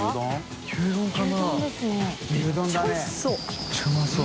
めっちゃうまそう。